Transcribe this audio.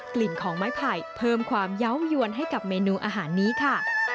กลิ่นของไม้ไผ่เพิ่มความเยาว์ยวนให้กับเมนูอาหารนี้ค่ะ